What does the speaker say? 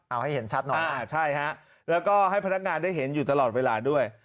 เอาให้เห็นชัดหน่อยใช่ฮะแล้วก็ให้พนักงานได้เห็นอยู่ตลอดเวลาด้วย